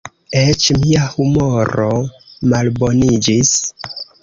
Eĉ mia humoro malboniĝis.